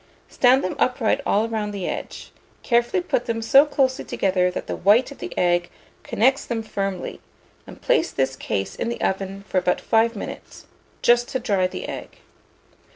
Stand them upright all round the edge; carefully put them so closely together that the white of the egg connects them firmly, and place this case in the oven for about 5 minutes, just to dry the egg.